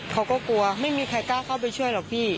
เขาก็กลัวไม่มีใครกล้าเข้าไปช่วยหรอกพี่